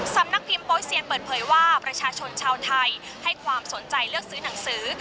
สำนักพิมพ์โป๊เซียนเปิดเผยว่าประชาชนชาวไทยให้ความสนใจเลือกซื้อหนังสือ